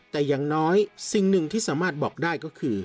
แต่อย่างน้อยสิ่งหนึ่งที่สามารถบอกได้ก็คือ